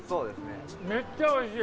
めっちゃおいしい。